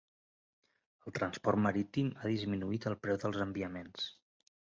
El transport marítim ha disminuït el preu dels enviaments.